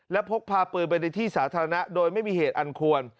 และพกพาปืนไปในที่สาธารณะโดยไม่มีเหตุอันควร